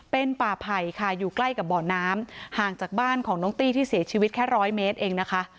เป็นป่าไผ่ค่ะอยู่ใกล้กับบ่อน้ำห่างจากบ้านของน้องตี้ที่เสียชีวิตแค่ร้อยเมตรเองนะคะ